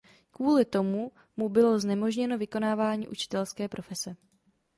Kvůli tomu mu bylo znemožněno vykonávání učitelské profese.